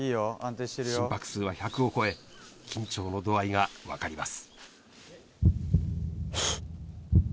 心拍数は１００を超え、緊張の度合いが分かります。